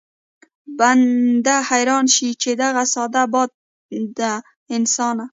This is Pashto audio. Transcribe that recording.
بنده حيران شي چې دغه ساده باده انسان